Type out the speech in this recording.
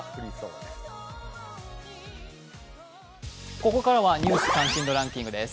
ここからは「ニュース関心度ランキング」です。